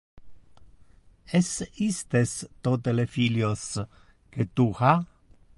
Es istes tote le filios que tu ha?